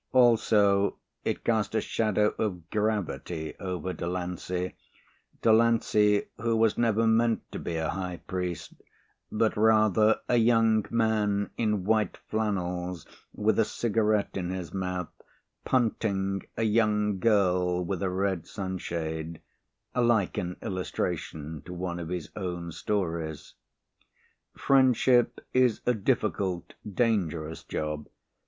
Also, it cast a shadow of gravity over Delancey Delancey who was never meant to be a high priest, but rather a young man in white flannels, with a cigarette in his mouth, punting a young girl with a red sunshade like an illustration to one of his own stories. Friendship is a difficult, dangerous job.